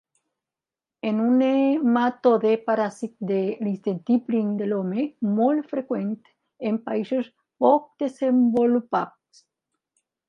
És un nematode paràsit de l'intestí prim de l'home, molt freqüent en països poc desenvolupats.